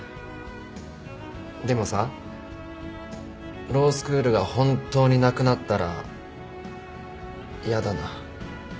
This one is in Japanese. でもさロースクールが本当になくなったら嫌だな。